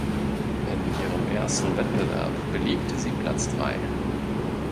In ihrem ersten Wettbewerb belegte sie Platz drei.